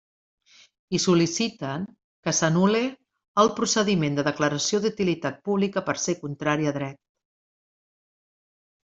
I sol·liciten que s'anul·le el procediment de declaració d'utilitat pública per ser contrari a dret.